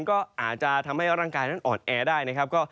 ก็อาจจะทำให้ร่างกายนั้นอ่อนแอได้นะครับ